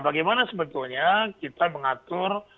bagaimana sebetulnya kita mengatur